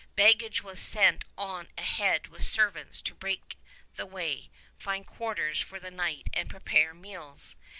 Baggage was sent on ahead with servants to break the way, find quarters for the night, and prepare meals.